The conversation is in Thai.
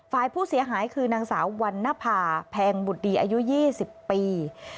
ฝ่ายผู้เสียหายคือนางสาววันนภาแพงบุตรดีอายุ๒๐ปี